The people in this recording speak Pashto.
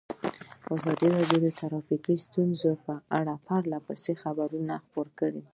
ازادي راډیو د ټرافیکي ستونزې په اړه پرله پسې خبرونه خپاره کړي.